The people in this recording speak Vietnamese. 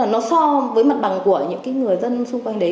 nó so với mặt bằng của những người dân xung quanh đấy